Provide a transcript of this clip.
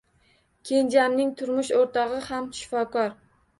Kenjamning turmush o’rtog’i ham shifokor.